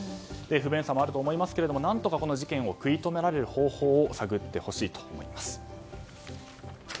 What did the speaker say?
不便さもあると思いますけれども何とかこの事件を食い止められる方法を探ってほしいと思います。